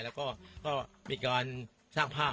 แล้วก็มีการสร้างภาพ